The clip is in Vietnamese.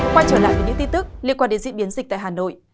quay trở lại với những tin tức liên quan đến diễn biến dịch tại hà nội